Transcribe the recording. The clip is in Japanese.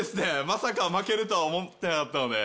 まさか負けるとは思ってなかったので。